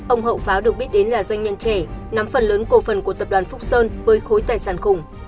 ông hậu pháo được biết đến là doanh nhân trẻ nắm phần lớn cổ phần của tập đoàn phúc sơn với khối tài sản khủng